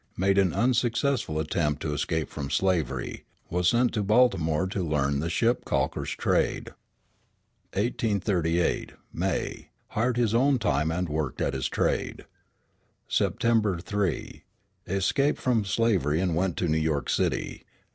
Made an unsuccessful attempt to escape from slavery, Was sent to Baltimore to learn the ship calkers trade. 1838 May. Hired his own time and worked at his trade. September 3. Escaped from slavery and went to New York City.